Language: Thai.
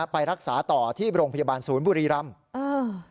ไปรักษาต่อที่โรงพยาบาลศูนย์บุรีรำ